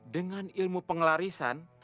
dengan ilmu penglarisan